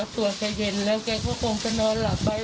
ส่วนใกล้เย็นแล้วแกเขาก็คงจะนอนหลับไป